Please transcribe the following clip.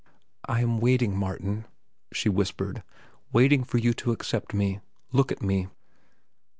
"I am waiting, Martin," she whispered, "waiting for you to accept me. Look at me."